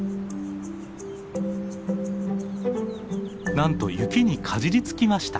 なんと雪にかじりつきました。